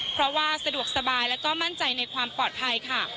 เพราะว่าสะดวกสบายและก็มั่นใจในความปลอดภัยค่ะ